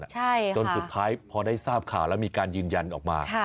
จนสุดท้ายพอได้ทราบข่าวแล้วมีการยืนยันออกมา